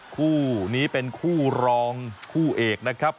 คู่นี้เป็นคู่รองคู่เอกนะครับ